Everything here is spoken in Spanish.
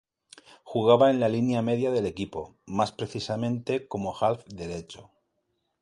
Jugaba en la línea media del equipo, más precisamente como half derecho.